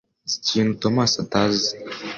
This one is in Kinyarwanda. Nzi ikintu Tomasi atazi